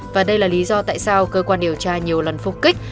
và đây là lý do tại sao cơ quan điều tra nhiều lần phục kích